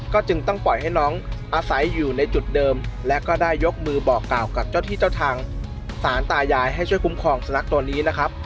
ก็จึงต้องปล่อยให้น้องอาศัยอยู่ในจุดเดิมและก็ได้ยกมือบอกกล่าวกับเจ้าที่เจ้าทางสารตายายให้ช่วยคุ้มครองสุนัขตัวนี้นะครับ